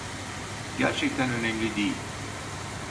Gerçekten önemli değil.